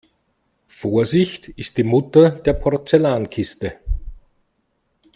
Vorsicht ist die Mutter der Porzellankiste.